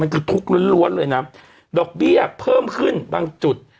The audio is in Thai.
มันคือทุกข์ล้วนเลยนะครับดอกเบี้ยเพิ่มขึ้นบางจุด